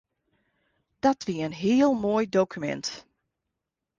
Dat wie in heel moai dokumint.